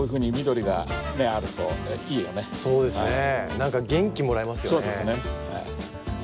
なんか元気もらいますよね。